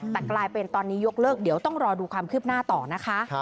แต่กลายเป็นตอนนี้ยกเลิกเดี๋ยวต้องรอดูความคืบหน้าต่อนะคะ